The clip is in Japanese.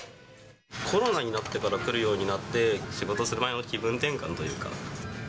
コロナになってから来るようになって、仕事をする前の気分転換というか。